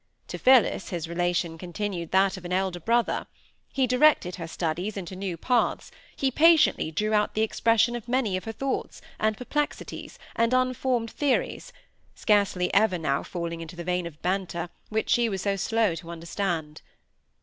To Phillis his relation continued that of an elder brother: he directed her studies into new paths, he patiently drew out the expression of many of her thoughts, and perplexities, and unformed theories—scarcely ever now falling into the vein of banter which she was so slow to understand.